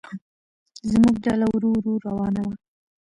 زموږ ډله ورو ورو روانه وه.